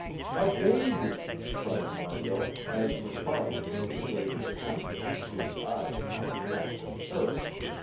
"A baby!" cried Margot, as MacFarlane made his way to the counter, his eyes upon the packs of fur.